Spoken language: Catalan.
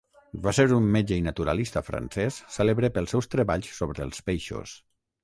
Va ser un metge i naturalista francès cèlebre pels seus treballs sobre els peixos.